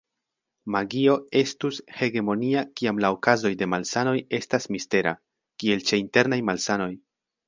Magio estus hegemonia kiam la okazoj de malsanoj estas mistera, kiel ĉe internaj malsanoj.